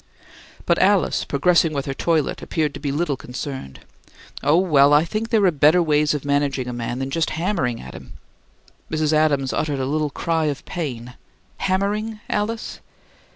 But Alice, progressing with her toilet, appeared to be little concerned. "Oh, well, I think there are better ways of managing a man than just hammering at him." Mrs. Adams uttered a little cry of pain. "'Hammering,' Alice?"